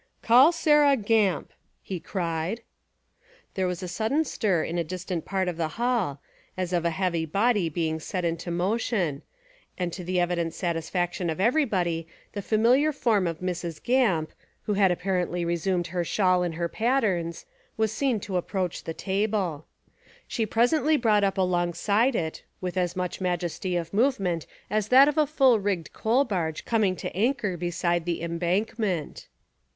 "Call Sarah Gamp," he cried. There was a sudden stir in a distant part of the hall, as of a heavy body being set into motion, and to the evident satisfaction of everybody the famihar form of Mrs. Gamp, who had apparently resumed her shawl and her pattens, was seen to approach the table. 215 Essays and Literary Studies She presently brought up alongside it with as much majesty of movement as that of a full rigged coal barge coming to anchor beside the Embankment.